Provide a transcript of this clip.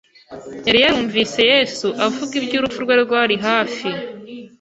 Yari yarumvise Yesu avuga iby'urupfu rwe rwari hafi